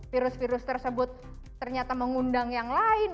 virus virus tersebut ternyata mengundang yang lain